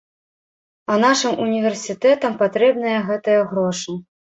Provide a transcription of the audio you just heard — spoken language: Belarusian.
А нашым універсітэтам патрэбныя гэтыя грошы.